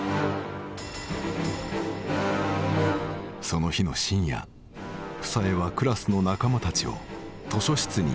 その日の深夜房枝はクラスの仲間たちを図書室に呼び出した。